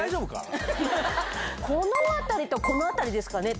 この辺りとこの辺りですかね。